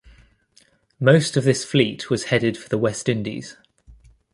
Most of this fleet was headed for the West Indies.